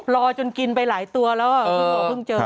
รอจนกินไปหลายตัวแล้ว